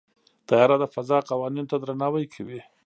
طیاره د فضا قوانینو ته درناوی کوي.